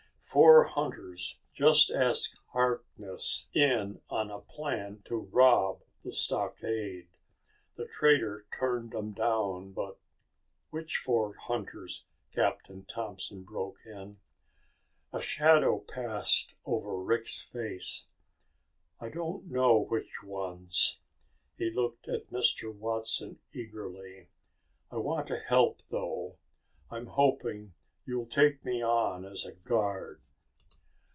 Four hunters just asked Harkness in on a plan to rob the stockade. The trader turned 'em down, but...." "Which four hunters?" Captain Thompson broke in. A shadow passed over Rick's face. "I don't know which ones." He looked at Mr. Watson eagerly. "I want to help, though. I'm hoping you'll take me on as a guard."